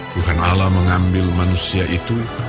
bukan allah mengambil manusia itu